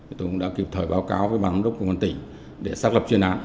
tôi cũng đã kịp thời báo cáo với bán đốc công an tỉnh để xác lập truyền án